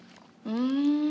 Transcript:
うん！